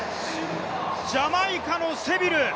ジャマイカのセビル。